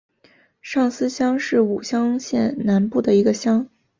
上司乡是武乡县南部的一个乡。